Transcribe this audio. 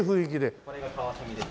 これがカワセミです。